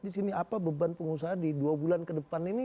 di sini apa beban pengusaha di dua bulan ke depan ini